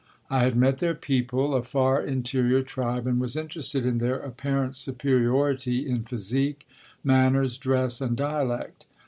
I had met their people, a far interior tribe, and was interested in their apparent superiority in physique, manners, dress and dialect.